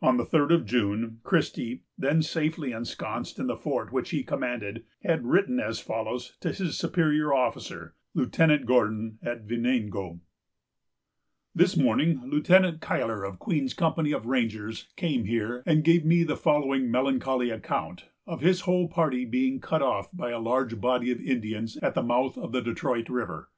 On the third of June, Christie, then safely ensconced in the fort which he commanded, had written as follows to his superior officer, Lieutenant Gordon, at Venango: "This morning Lieutenant Cuyler of Queen's Company of Rangers came here, and gave me the following melancholy account of his whole party being cut off by a large body of Indians at the mouth of the Detroit River."